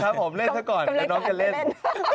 ครับผมเล่นเถอะก่อนแต่น้องจะเล่น